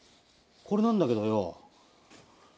これなんだけどよ。